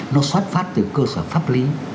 nó xuất phát từ cơ sở pháp lý